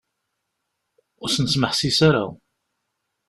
Ur asen-smeḥsis ara.